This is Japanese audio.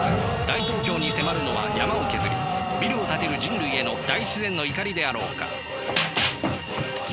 大東京に迫るのは山を削りビルを建てる人類への大自然の怒りであろうか。